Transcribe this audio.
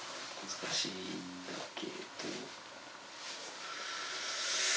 難しいんだけど。